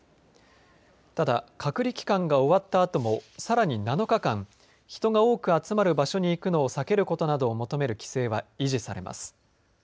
ただ、隔離期間が終わったあともさらに７日間、人が多く集まる場所に行くのを避けることなどを求める規制は維持されます。